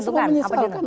ya kita semua menyesalkan